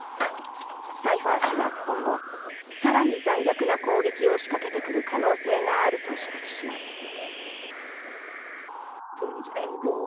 サイファー氏は今後更に残虐な攻撃を仕掛けてくる可能性があると指摘します。